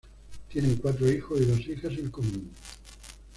Tienen cuatro hijos y dos hijas en común.